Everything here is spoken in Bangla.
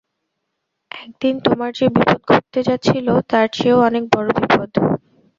এক দিন তোমার যে বিপদ ঘটতে যাচ্ছিল, তার চেয়েও অনেক বড় বিপদ।